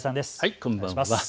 こんばんは。